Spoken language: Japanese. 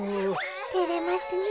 てれますねえ。